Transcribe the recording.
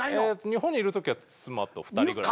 日本にいるときは妻と２人暮らし。